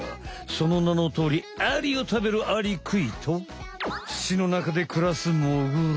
そのなのとおりアリを食べるアリクイと土の中でくらすモグラ。